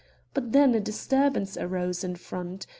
But just then a disturbance arose in front.